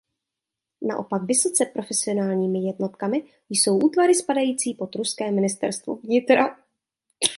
Naopak vysoce profesionálními jednotkami jsou útvary spadající pod ruské Ministerstvo vnitra.